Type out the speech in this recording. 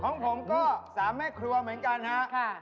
ของผมต้องสามแม่ครัวเหมือนกันนะครับ